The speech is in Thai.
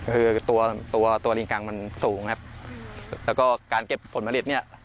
คือตัวตัวลิงกังมันสูงครับแล้วก็การเก็บผลผลิตเนี่ย